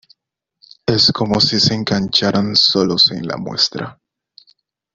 es como si se engancharan solos en la muestra.